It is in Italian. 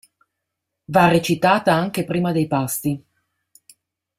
Va recitata anche prima dei pasti.